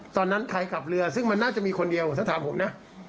ตอนนั้นใครขับเรือซึ่งมันน่าจะมีคนเดียวถ้าถามผมนะ